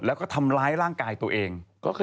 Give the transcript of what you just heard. แล้วก็ทำร้ายร่างกายตัวเอง